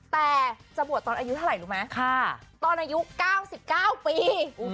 แต่จะบวชตอนอายุเท่าไหร่รู้ไหมตอนอายุ๙๙ปี